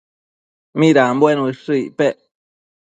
midanbuen ushë icpec?